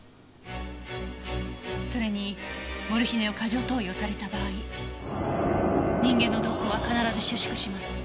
それにモルヒネを過剰投与された場合人間の瞳孔は必ず収縮します。